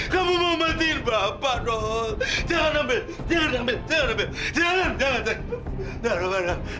kamu mau matiin bapak dong